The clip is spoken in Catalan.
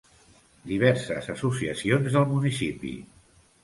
Diverses associacions del municipi.